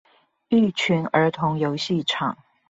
育群兒童遊戲場